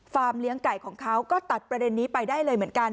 เลี้ยงไก่ของเขาก็ตัดประเด็นนี้ไปได้เลยเหมือนกัน